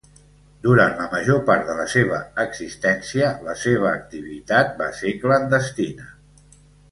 Durant la major part de la seva existència la seva activitat va ser clandestina.